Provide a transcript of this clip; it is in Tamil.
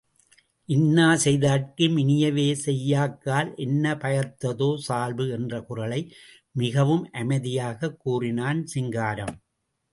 இன்னா செய்தார்க்கும் இனியவே செய்யாக்கால் என்ன பயத்ததோ சால்பு என்ற குறளை மிகவும் அமைதியாகக் கூறினான் சிங்காரம்.